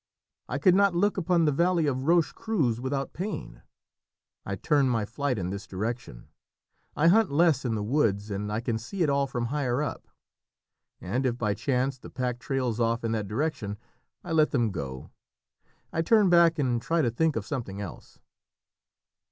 I could not look upon the valley of Roche Creuse without pain. I turned my flight in this direction: I hunt less in the woods, and I can see it all from higher up, and if by chance the pack tails off in that direction I let them go. I turn back and try to think of something else."